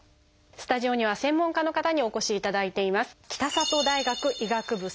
スタジオには専門家の方にお越しいただいています。